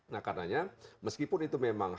nah karena meskipun itu memang hak